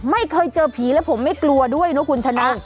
ไม่เคยเจอผีแล้วผมไม่กลัวด้วยนะคุณชนะ